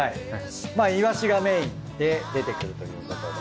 まあイワシがメインで出てくるということで。